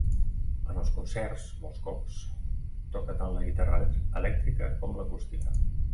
En els concerts, molts cops, toca tant la guitarra elèctrica com l'acústica.